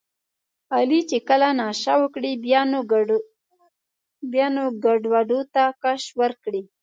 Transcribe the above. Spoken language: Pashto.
علي چې کله نشه وکړي بیا نو ګډوډو ته کش ورکړي.